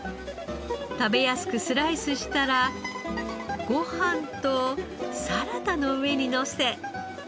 食べやすくスライスしたらご飯とサラダの上にのせ。